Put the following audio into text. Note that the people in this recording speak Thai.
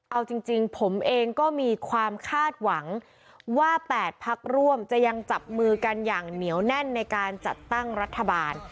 เอาจริงผมเองก็มีความคาดหวังว่า๘พักร่วมจะยังจับมือกันอย่างเหนียวแน่นในการจัดตั้งรัฐบาล